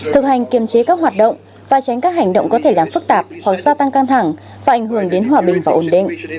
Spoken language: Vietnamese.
thực hành kiềm chế các hoạt động và tránh các hành động có thể làm phức tạp hoặc gia tăng căng thẳng và ảnh hưởng đến hòa bình và ổn định